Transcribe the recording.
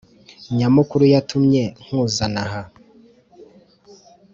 nyamukuru yatumye nkuzana aha